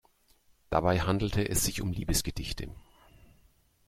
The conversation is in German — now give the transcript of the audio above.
Dabei handelte es sich um Liebesgedichte.